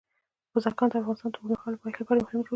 بزګان د افغانستان د اوږدمهاله پایښت لپاره مهم رول لري.